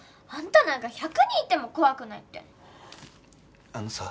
あんたなんか１００人いても怖くないっての。